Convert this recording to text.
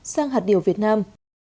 sang hạt điều việt nam